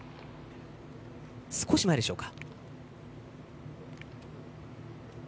少し前でしょうか。